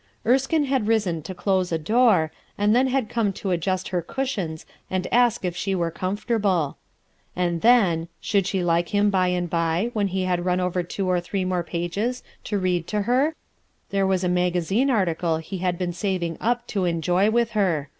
Erskine had risen to close a door, and then had come to adjust her cushions and ask if she were comfortable. And then — should she like him by and by, when he had run over two or three more pages, to read to her ? There was a magazine article he had been saving up to enjoy with her.